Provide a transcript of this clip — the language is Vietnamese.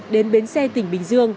đến bến xe tỉnh bình dương